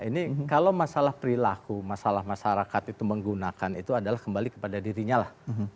ini kalau masalah perilaku masalah masyarakat itu menggunakan itu adalah kembali kepada dirinya lah